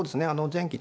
前期